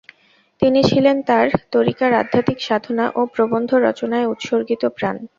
তিনি ছিলেন তার তরীকার আধ্যাত্মিক সাধনা ও প্রবন্ধ রচনায় উৎসর্গিত প্রাণ।